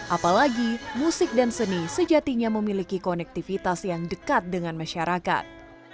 apalagi musik dan seni sejatinya memiliki konektivitas yang dekat dengan masyarakat